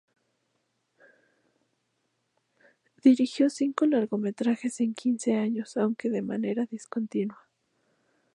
Dirigió cinco largometrajes en quince años, aunque de manera discontinua.